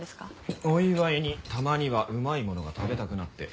お祝いにたまにはうまいものが食べたくなって。